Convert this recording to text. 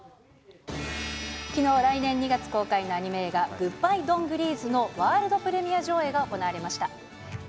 きのう、来年２月公開のアニメ映画、グッバイ、ドン・グリーズ！のワールドプレミア上映が行われました。